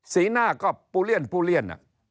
สีหน้าก็ปูเลี่ยนปูเลี่ยน